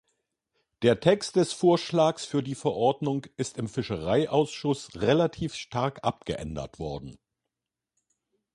Der Text des Vorschlags für die Verordnung ist im Fischereiausschuss relativ stark abgeändert worden.